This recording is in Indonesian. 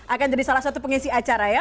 akan jadi salah satu pengisi acara ya